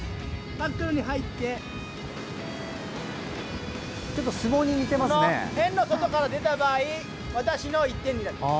タックルに入ってこの円の外から出た場合私の１点になります。